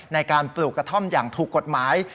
ในการปลูกกระท่อมอย่างถูกกฎหมาย